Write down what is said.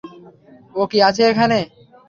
ও কি আছে এখানে?